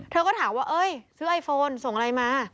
เธอก็ถามว่าเอ้ยซื้อไอโฟนส่งอะไรมา